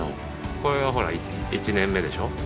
これがほら１年目でしょ。